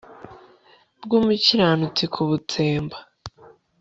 bw'umukiranutsi kubutsemba